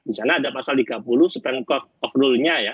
di sana ada pasal tiga puluh spend court of rule nya ya